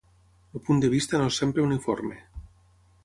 El punt de vista no és sempre uniforme.